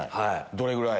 どれぐらい？